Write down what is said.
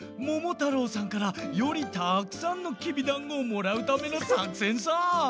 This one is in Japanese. ももたろうさんからよりたくさんのきびだんごをもらうためのさくせんさ！